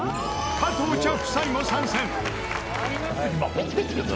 加藤茶夫妻も参戦！